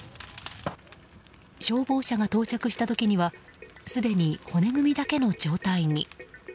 消防車が到着した時にはすでに骨組みだけの状態に。